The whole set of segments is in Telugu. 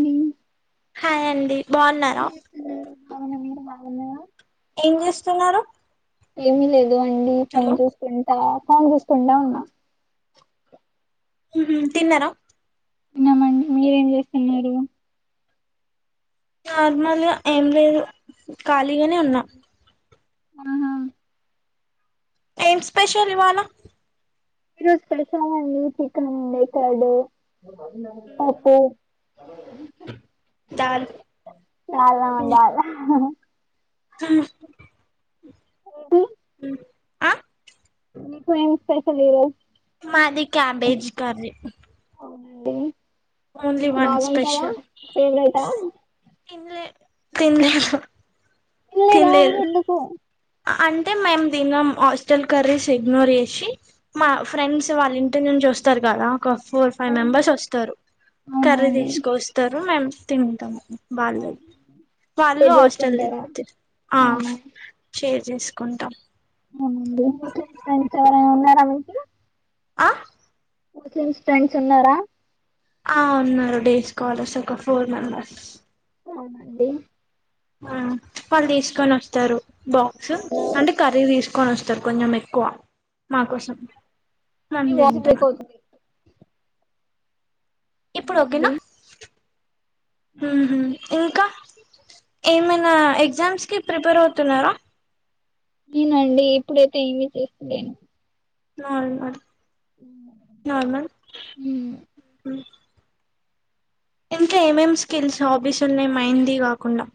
ఏం హాయ్ అండి బావున్నారా. ఉమ్ అవును అందరం బాగున్నారా. ఏం జేస్తున్నారు. ఏమీ లేదండి ఫోన్ చూస్కుం. ఆహ్ కాంగ్రెస్కుండా ఉన్న. ఉమ్ తిన్నరా. తిన్నామండి మీరేం జేస్తున్నారు. నార్మల్గా ఏంలేదు ఖాళీగనే ఉన్నా. అవునా. ఏం స్పెషల్ ఇవాళ. ఈరోజు [unintelligible] అండి చికెన్ అండి రేపు హాలిడే. అబ్బో. దాల్ అవునా బాలే ఆహ్. ఏంటి. ఉమ్ ఆహ్. మీకేం స్పెషల్ ఈ రోజ్. మాది cabbage curry. Only one special అవునండి. తిన్లే. తిన్లేదా తినలేదు ఎందుకు. అంటే మేం తినం హాస్టల్ కర్రీస్ ఇగ్నోర్ చేసి మా ఫ్రెండ్స్ వాళ్ళ ఇంటినుంచ్. నుంచి వస్తారు కదా. ఒక ఫోర్ ఫైవ్ మెంబర్స్ వొస్తరు అవునా కర్రీ అండి దీస్కోస్తరు మేము తింటాం. వాళ్ళు వాళ్లు షేర్ హాస్టల్ దీ చేసుకుంటారా తిన్ ఆహ్. అవునా షేర్ జేస్కుంటాం. ఫ్రెండ్స్ ఎవరైనా ఉన్నారా మీకీ. ఆహ్. ముస్లిమ్స్ ఫ్రెండ్స్ ఉన్నారా. ఆహ్ ఉన్నారు డేస్కాలర్స్ ఒక ఫోర్ మెంబర్స్. అవునండి. ఆహ్ వాళ్ళు దీస్కొనొస్తారు బాక్సు అంటే కర్రీ దీస్కొనొస్తరు కొంచెం ఎక్కు. క్కువ మా కోసం. నీ వాయిస్ బ్రేక్ అవుతుంది. ఇప్పుడు అవునండి ఓకేనా మ్మ్ హు ఇంకా ఏమన్. ఆహ్ ఎగ్జామ్స్ కి ప్రిపేర్ అవుతున్నారా. నేనండి ఇప్పుడైతే ఏమీ చేస్తలేను. నా [unintelligible] ఉమ్. ఇంకేమేం స్కిల్స్ హాబీస్ ఉన్నయ్ మెయింది కాకుండా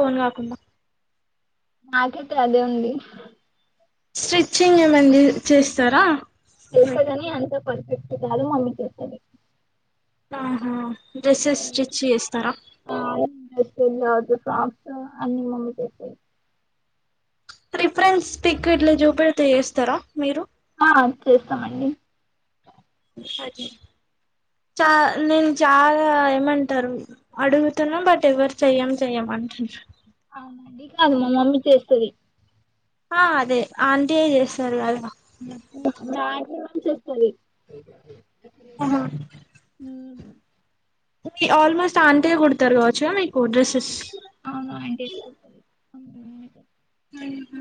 కోన్ కాకుండా. నాకైతే అదే ఉంది. స్ట్రీచ్చింగ్ ఏమండి చేస్తరా చేస్తగని అంత పర్ఫెక్ట్ కాదు మమ్మీ చేస్తది ఆహా డ్రెస్సెస్ స్టిచ్ చేస్తరా గా ఫ్రాక్సు అన్ని మమ్మీ చేస్తది ప్రిఫ్రెన్స్ పిక్ ఇట్లా జూపెడ్తే ఏస్తరా మీరు ఆ చేస్తమండి అచ్చి. చ నేను చాలా ఏమంటారు అడుగుతున్న బట్ ఎవరు చెయ్యం చెయ్యమ. అంచుంచ్. అవునండి కాదు మా మమ్మీ చేస్తది. ఆహ్ అదే ఆంటీయే చేస్తాది గదా. మా మాక్సిమం చేస్తది. అహ మ్మ్ మీ ఆల్మోస్ట్ ఆంటియే కుడుతరు కావచ్చ మీక్ హ అవును ఆంటీయే కూడ్తది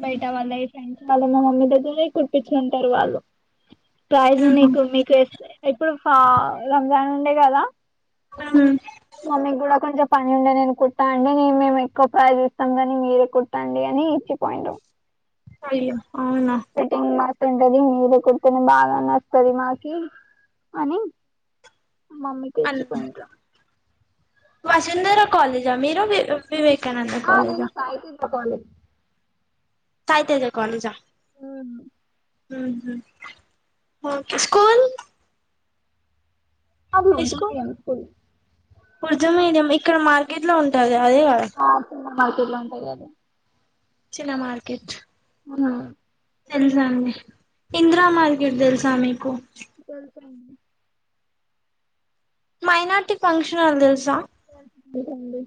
బయట వాళ్ళయి ఫ్రెండ్స్ వాలు మా మమ్మీతోటే కుట్పించుకుంటరు వాళ్ళు ప్రైజ్ నీకు మీకు ఎస్ ఎప్పుడు ఫ రంజాన్ ఉండే గదా మ్మ్ మమ్మి గూడ కొంచం పని ఉండే నెను కుట్టండి నేను మేము ఎక్కువ పైస్ ఇస్తాం గాని మీరే కుట్టండి అని ఇచ్చిపోఇండ్రు అయ్యే ఫిట్టింగ్ బా టుంటది మీరే కుడుతేనే బాగా నస్తది మాకి అని మమ్మీకి అన్ ఇచ్చిపోయిండ్రు వసుంధర కాలే జా మీరు వి వివేకానంద కాలేజా మ కాలేజ్ ఐతేజ కాలేజా అవును మ్ హు ఓకె స్కూల్ అది ఉంటుంది గని స్కూల్ కుర్జ మీడియం ఇక్కడ మార్కెట్ లో ఉంటది గ అదే గదా ఆ చిన్న మార్కెట్ లొ ఉంటది అది చిన్న మార్కెట్ అవునా తెల్సా అండి ఇందిరా మార్కెట్ తెల్సా మీకు తెలుసండి మైనార్టీ ఫంక్షన్ హల్ తెలుసా దండి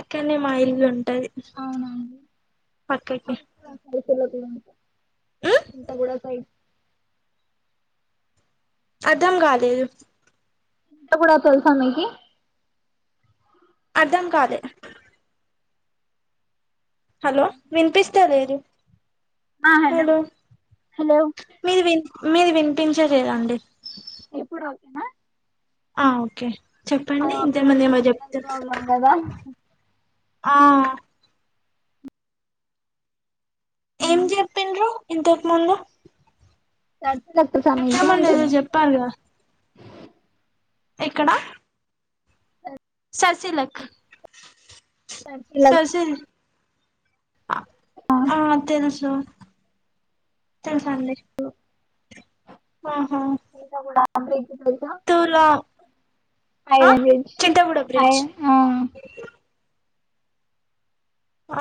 అక్కనే మా ఇల్లు ఉన్ టది అవునండి పక్కకే [unintelligible] ఉంట గుడా సైడ్ అర్థం కాలేదు కుంట గుడా తెలుసా మీకి అర్ధం కాలే హలో వినిపిస్తాలేదు ఆ హలో హలొ హలో మీది విన్ మీది వినిపించలేదండి ఇప్పుడు ఓకెనా ఆ ఓకే చెప్పండి ఇంతకుముందు అప్పుడప్పుడు ఏమో సిగ్నల్ చెప్త్ ప్రాబ్లం కదా ఆ ఏం చెప్పిండ్రు ఇంతకు ముందు [unintelligible] అంటున్న ఇంతకుముందు ఏదో చెప్పారు కదా ఎక్కడ సర్సిలక్ చర్చిలకు ససీల్ ఆ తెలుసు తెలుసండి ఆహా గూడా ఆంటీకి తెలుసా తులా ఆ ఐరన్ జెంచ్ చింతగూడ బ్రిడ్జ్ ఐరన్ ఆహ్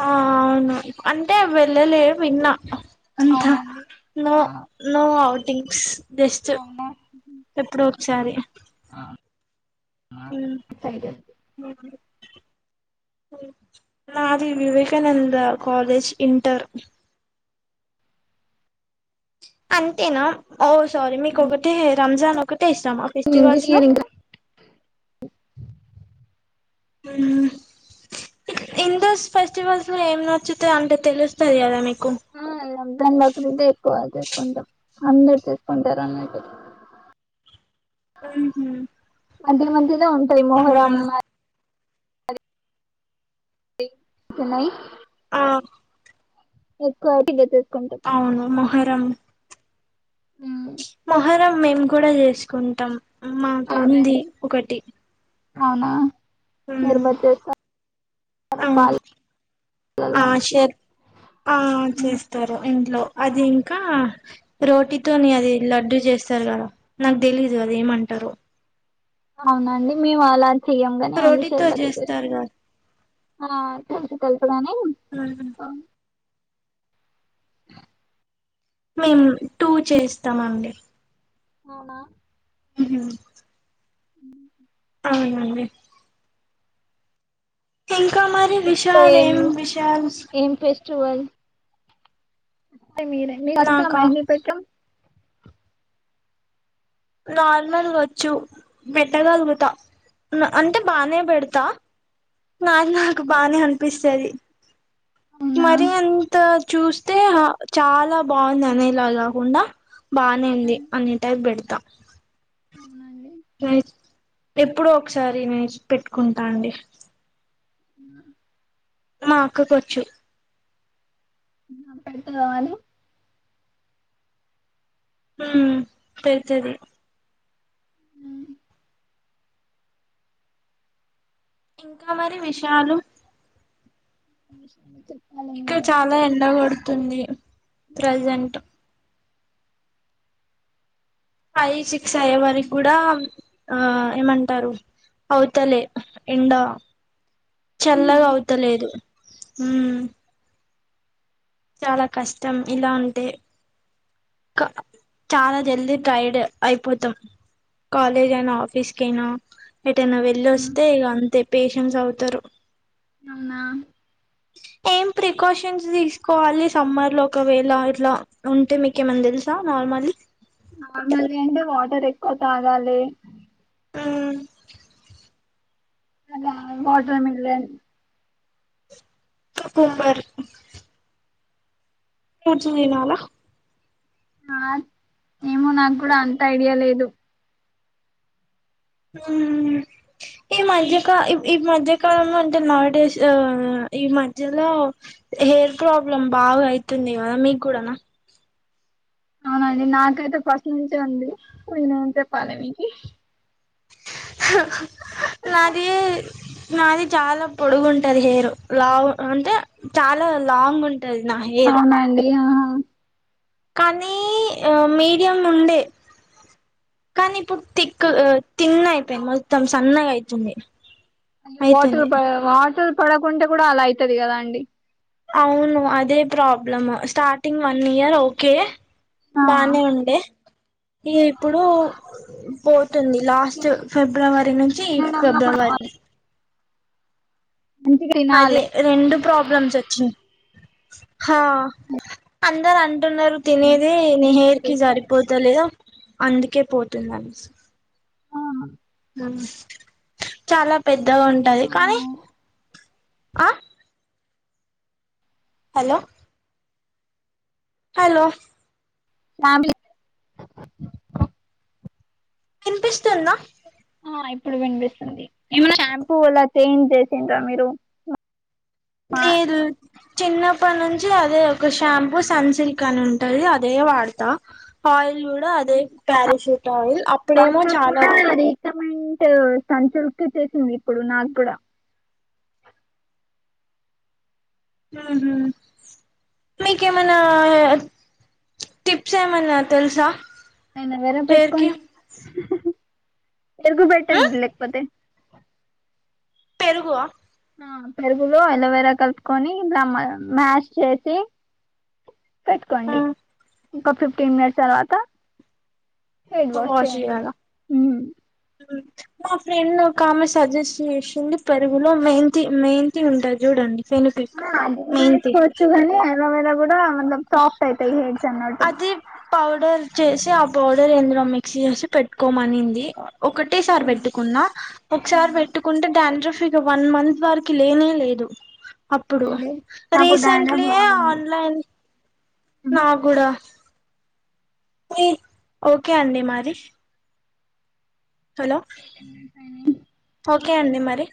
ఆ అవును అంటే వెళ్లాలే విన్నా అంత అవునండి నో ఆ నో ఔటింగ్స్ జెస్ట్ అవునా ఎప్పుడో ఒకసారి సైడ్ నాది వివేకానంద కాలేజ్ ఇంటర్ అంతేనా ఓ సారీ మీకొకటే రంజాన్ ఒ ట్టె ఇష్టమా ఫెస్టివల్స్ లో ఇంజనీరింగ్ ఉమ్ ఇందుస్ ఫెస్టివల్స్ లో ఏం నచ్చుతాయ్ అంటే తెలుస్తది గదా మీ అ రంజాన్ బక్రీదే చేసుకుంటాం అందరూ చేసుకుంటారన్నట్టు ఉహ్హు [unintelligible] ఉంటయ్ మొహర్రం అ చెన్నై ఆ ఎక్కువ [inaudible] అవును మొహర్రం మొహర్రం మేము కూడా చేసుకుంటాం మాకు ఉంది అవునండి ఒకటి అవునా ఉమ్, షార్భత్ చేస్తా అవును పాలల్లో ఆ వేసి షర్ ఆ చేస్తారు ఇంట్లో అది ఇంకా రోటీతోని అది లడ్డూ జేస్తారు గదా నాకు తెలీదు అదేమంటరో అవునండి మేము అలా చెయ్యము గని ఓన్లీ రోటీతో షర్బతే చేస్తాం చేస్తారు కదా ఆ తెల్సు తెల్సు గాని ఉమ్. మేమ్ టూ చేస్తామండి అవునా ఉహ్ ఉహు అవున అండి ఇంకా మరి ఎక్కువ విషయాలేం విషాల్స్ ఉగాది [unintelligible] అచ్చ నాకా మెహందీ పెట్టడం నార్మల్గచ్చు పెట్టగలుగుతా న అంటే బానే బెడ్తా నాది నాకు బానే అనిపిస్తది అవునా మరి అంత చూస్తే హ చాలా బాగుంది అనేల గాకుండా బానేఉంది అనే టైప్ బెడ్తా అవునండి ఎప్పుడో ఒకసారి నేర్చ్ పెట్టుకుంటా అండి మా అక్కకోచ్చు నాక్ పెడ్తవానే ఉమ్ పెడ్తది ఇంకా మరి విషాలు చెప్పాలి ఇక్కడ మీరే చాలా ఎండ కొడుతుంది ప్రెజెంట్ ఫైవ్ సిక్స్ అయ్యే వరకి గూడా ఆ ఏమంటారు అవుతలే ఎండా అవునా చల్లగా అవుతలేదు ఉమ్ చాలా కష్టం ఇలా అంటే క చాలా జల్ది ట్రైడ్ అయిపోతాం కాలేజ్ అయినా ఆఫీస్ కైనా ఎటన్న వెళ్ళొస్తే ఇగ అంతే పేషెన్స్ అవుతరు అవునా ఏం ప్రికాషన్స్ తీసుకోవాలి సమ్మర్ లో ఒకవేళ ఇట్లా ఉంటే మీకెమన్ తెలుసా నార్మలి నార్మల్ గా ఏంటి వాటర్ ఎక్కువ తాగాలి ఉ మల్ల వాటర్ మిలన్ కుకుంబర్ రోజు తినాల ఆ ఏమో నాకు గుడా అంత ఐడియా లేదు ఉమ్ ఈ మధ్యక ఈ మధ్యకాలంలో అంటే నౌ ఎ డేస్ ఆ ఈ మధ్యలో హెయిర్ ప్రాబ్లమ్ బాగా అయితుంది కదా మీకు కూడానా అవును అండి నాకైతే ఫస్ట్ నుంచే ఉంది నేన్ ఎం చేప్పాలే మీకి నాది నాది చాలా పొడుగుంటది హెయిర్ లాంగ్ అంటే చాలా లాంగ్ ఉం అవునా అండి ఆ కానీ మీడియం ఉండే కానీ ఇప్పుడు తిక్ తిన్ అయిపోయింద్ మొత్తం సన్నగా అయితుంది వాటర్ అయితుంది ప వాటర్ పడకుంటె కూడా అలా అయితది గదా అండి అవును అదే problem starting one year okay ఆ బానే ఉండె ఇగ ఇప్పుడు పోతుంది లాస్ట్ ఫిబ్రవ రి నుంచి తినడంలో కూడా ఫిబ్రవరి అది మంచిగా అదే తినాలే రెండు ప్రాబ్లమ్స్ వొచ్చినయ్ హా అందరు అన్ అంటున్నరు తినేదే ఫుడ్ ని ఎక్కువ హేర్కి తీసుకోవాలి సరిపోతా లేదు అందుకే పోతుందనేసి ఆ చాలా పెద్దగా ఉంటది కానీ అవును ఆ హలో హలో ఫ్యామిలీ వినిపిస్తుంద ఆ ఇప్పుడు వినిపిస్తుంది ఎమన్నా షాంపూ ఇలా చేంజ్ చేసిండ్రా మీరు మా లేదు చిన్నప్పటి నుంచి అ దే ఒక షాంపూ సన్ సిల్క్ అని ఉంటది అదే వాడతా ఆయిల్ యిల్ అదే పరషూట్ ఆయిల్ అప్పుడేమో చాలా మంట్ సన్ సిల్క్ ఇచ్చేసింది ఇప్పుడు నాకు గుడా ఉ హు మీకేమనా టిప్స్ ఏమన్నా తెలుసా నేన్ ఎవరం హెయిర్ కి పెట్టుకోండి పెర్గు పెట్టండి లేకపోతే పెరుగు ఆ ఆ పెరుగులో అలోవేరా కలుపుకొని లమ్మ మ్యాష్ చేసి పెట్టుకోండి ఇంకో ఫిఫ్టీన్ మినిట్స్ తర్వాత హెడ్ వాష్ చేయండి మా ఫ్రెండ్ ఒక ఆమె సజెస్ట్ చేసింది పెరుగులో మెంతి మెంతి ఉంటది జుడండి మా అది గూడ ఏసుకోవాచ్చు గాని ఆలోవేరా గుడా ద మందం సాఫ్ట్ అయితాయి హేర్స్ అన్నట్టు అది పౌడర్ చేసి ఆ పౌడర్ ఇందులో మిక్స్ చేసి పెట్టుకోమనింది ఒకటే సారి పెట్టుకున్న ఒకసారి అవునా పెట్టుకుంటే డాండ్రఫ్ ఇక వన్ మంత్ వరకి లేనే లేదు అప్పుడు అండి నాకు రీసెంట్లి డైలాగ్ యే బాగుంది ఆన్లైన్ నా కూడా ఓకే అండి మరి హలో ఓకే అండి మరి